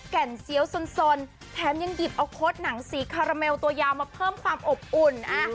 แก่นเซียวสนแถมยังหยิบเอาโค้ดหนังสีคาราเมลตัวยาวมาเพิ่มความอบอุ่น